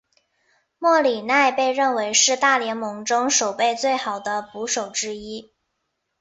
莫里纳被认为是大联盟中守备最好的捕手之一。